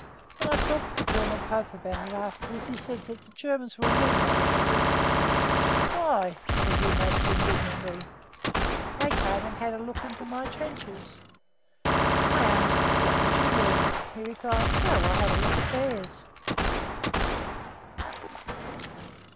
When I talked to Colonel Pope about it afterwards he said the Germans were a mean lot of beggars: "Why," said he most indignantly, "they came and had a look into my trenches." I asked "What did you do?" He replied, "Well, I had a look at theirs."